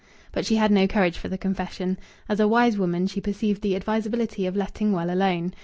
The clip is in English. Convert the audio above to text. But she had no courage for the confession. As a wise woman she perceived the advisability of letting well alone.